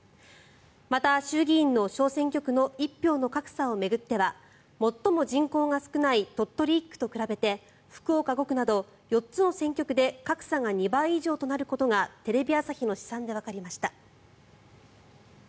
また、衆議院の小選挙区の一票の格差を巡っては最も人口が少ない鳥取１区と比べて福岡５区など４つの選挙区で格差が２倍以上となることがテレビ朝日の試算でわかりました。